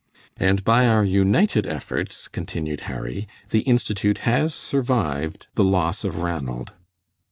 "And by our united efforts," continued Harry, "the Institute has survived the loss of Ranald."